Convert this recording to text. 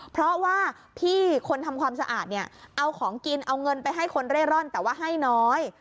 เพราะว่าพี่คนทำความสะอาดเนี่ยเอาของกินเอาเงินไปให้คนเร่ร่อนแต่ว่าให้น้อย